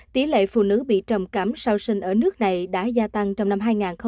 tỷ lệ phụ nữ bị trầm cảm sau sinh ở nước này đã gia tăng trong năm hai nghìn một mươi tám